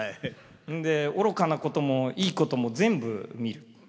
で愚かなこともいいことも全部見る。